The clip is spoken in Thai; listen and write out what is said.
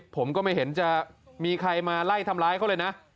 ผมก็ไม่เห็นจะมีใครมาไล่ทำร้ายเขาเลยนะ